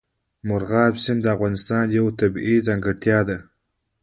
مورغاب سیند د افغانستان یوه طبیعي ځانګړتیا ده.